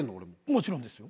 もちろんですよ。